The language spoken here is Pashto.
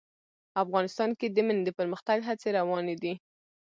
افغانستان کې د منی د پرمختګ هڅې روانې دي.